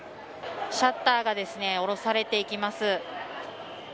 シャッターが下ろされていきます。